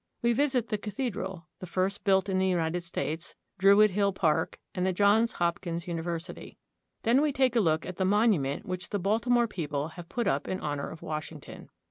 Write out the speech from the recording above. We visit the cathe dral, the first built in the United States, Druid Hill Park, and the Johns Hopkins University. Then we take a look at the monument which the Baltimore people have put up in honor of Washington.